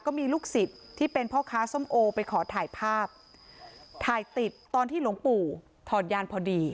ก็มีลูกศิษย์ที่เป็นพ่อค้าส้มโอไปขอถ่ายภาพถ่ายติดตอนที่หลวงปู่ถอดยานพอดี